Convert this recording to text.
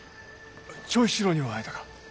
長七郎には会えたか？